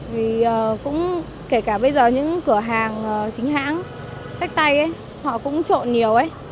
vì cũng kể cả bây giờ những cửa hàng chính hãng sách tay họ cũng trộn nhiều ấy